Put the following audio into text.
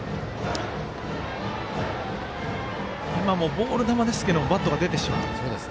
ボール球ですけどバットが出てしまう。